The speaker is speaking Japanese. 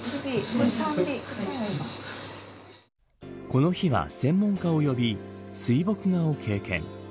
この日は専門家を呼び水墨画を体験。